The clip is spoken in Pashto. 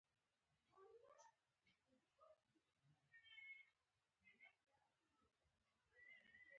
دا سازمان د جګړو د مخنیوي لپاره جوړ شو.